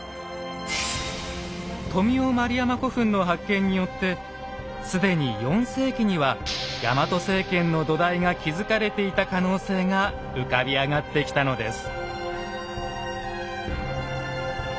富雄丸山古墳の発見によって既に４世紀にはヤマト政権の土台が築かれていた可能性が浮かび上がってきたのです。